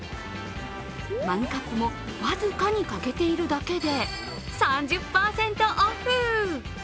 マグカップも僅かに欠けているだけで３０％オフ！